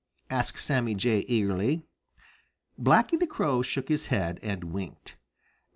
asked Sammy Jay eagerly. Blacky the Crow shook his head and winked.